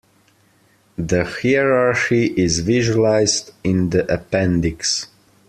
The hierarchy is visualized in the appendix.